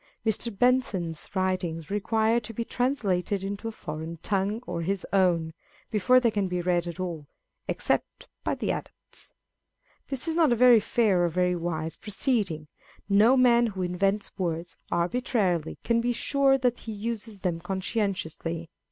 Mr. Bentham's writings require to be translated into a foreign tongue or his own, before they can be read at all, except by the adepts. This is not a very fair or very wise proceeding. No man who invents words arbitrarily can be sure that he uses them conscientiously.